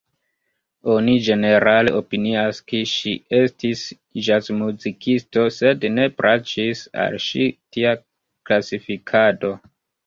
Oni ĝenerale opinias ke ŝi estis ĵazmuzikisto sed ne plaĉis al ŝi tia klasifikado.